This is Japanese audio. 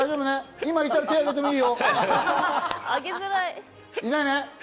今、いたら手あげてもいいよ。